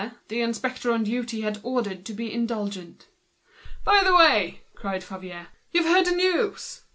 The inspector on duty had orders to be indulgent. "By the way," cried out Favier, "you've heard the news?"